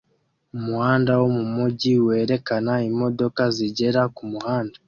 Umuhanda wo mumujyi werekana imodoka zigenda kumuhanda